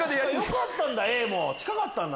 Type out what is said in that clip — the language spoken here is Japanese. よかったんだ